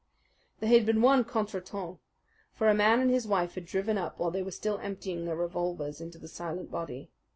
There had been one contretemps; for a man and his wife had driven up while they were still emptying their revolvers into the silent body.